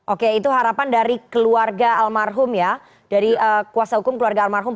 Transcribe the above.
oke itu harapan dari keluarga almarhum ya dari kuasa hukum keluarga almarhum